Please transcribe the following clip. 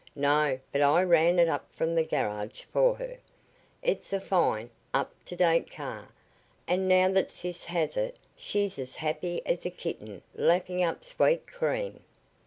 "No; but I ran it up from the garage for her. It's a fine, up to date car, and now that sis has it she's as happy as a kitten lapping up sweet cream."